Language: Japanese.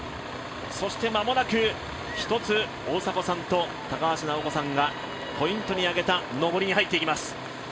そしてまもなく、一つ大迫さんと高橋尚子さんがポイントに上げた上りに入っていきます。